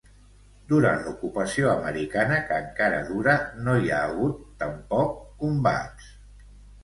Durant l'ocupació americana, que encara dura, no hi ha hagut tampoc combats.